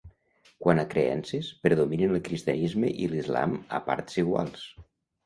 Quant a creences, predominen el cristianisme i l'islam a parts iguals.